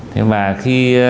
thế mà khi